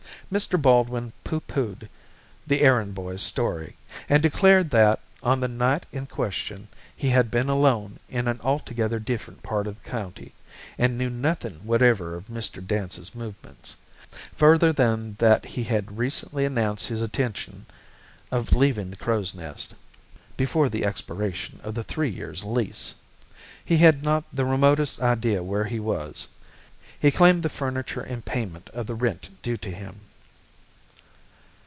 Mr. Baldwin pooh poohed the errand boy's story, and declared that, on the night in question, he had been alone in an altogether different part of the county, and knew nothing whatever of Mr. Dance's movements, further than that he had recently announced his intention of leaving the Crow's Nest before the expiration of the three years' lease. He had not the remotest idea where he was. He claimed the furniture in payment of the rent due to him."